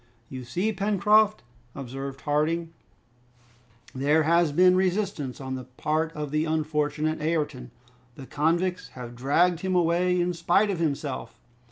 "You see, Pencroft," observed Harding, "there has been resistance on the part of the unfortunate Ayrton. The convicts have dragged him away in spite of himself!